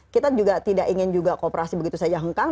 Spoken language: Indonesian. kita juga tidak ingin juga kooperasi begitu saja hengkang